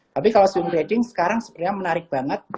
tapi kalau zoom trading sekarang sebenarnya menarik banget